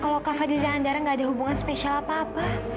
kalau kak fadil dan andara nggak ada hubungan spesial apa apa